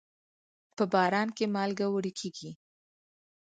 په باران کې مالګه وړي کېږي.